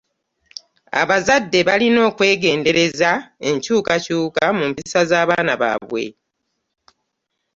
Abazadde balina okwegendereza enkyukakyuka mu mpisa z'abaana baabwe.